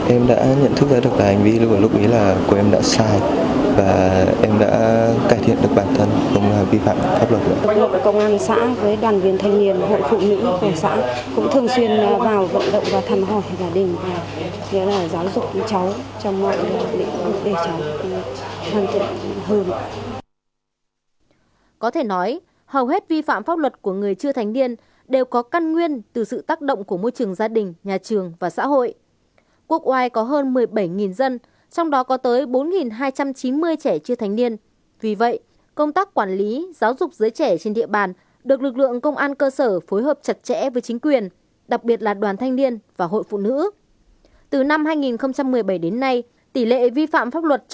em đã nhận thức ra được cái hành vi lúc ấy là của em đã sai và em đã cải thiện được bản thân không bị phạm pháp luật